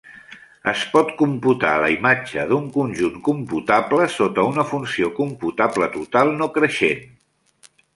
Es pot computar la imatge d'un conjunt computable sota una funció computable total no creixent.